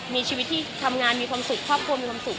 มีชีวิตที่ทำงานมีความสุขครอบครัวมีความสุข